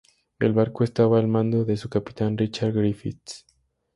El barco estaba al mando de su capitán, Richard Griffiths.